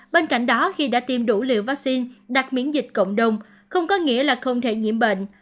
bên cạnh đó khi đã tiêm đủ liều vaccine đặt miễn dịch cộng đồng không có nghĩa là không thể nhiễm bệnh